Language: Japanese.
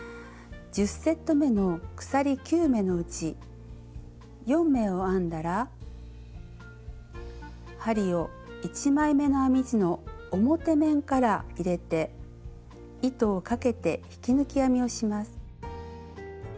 １０セットめの鎖９目のうち４目を編んだら針を１枚めの編み地の表面から入れて糸をかけて引き抜き編みをします。